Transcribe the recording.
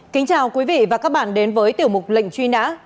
kính chào quý vị và các bạn đến với tiểu mục lệnh truy nã